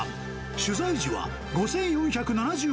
取材時は５４７８円。